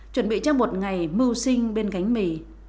chuẩn bị cho một ngày mưu sinh bên gánh mì